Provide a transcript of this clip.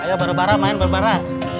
ayo barbara main barbara